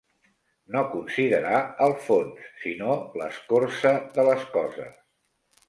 No considerar el fons, sinó l'escorça de les coses.